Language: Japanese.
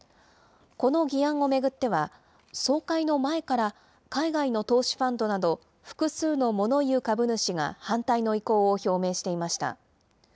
この議案を巡っては、総会の前から、海外の投資ファンドなど、複数のモノ言う株主が反対の意向を表明していました。